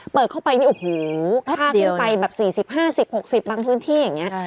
เปิดเข้าไปนี่โอ้โหค่าขึ้นไปแบบ๔๐๕๐๖๐บางพื้นที่อย่างนี้